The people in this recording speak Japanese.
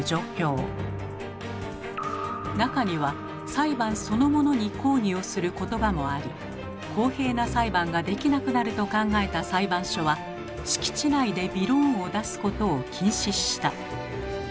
中には裁判そのものに抗議をする言葉もあり公平な裁判ができなくなると考えた裁判所は敷地内でびろーんを出すことを禁止した。